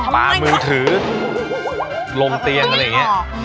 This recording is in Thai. ปลามือถือลงเตียงอะไรอย่างนี้